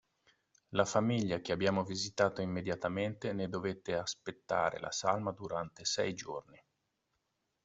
La famiglia, che abbiamo visitato immediatamente, ne dovette aspettare la salma durante sei giorni!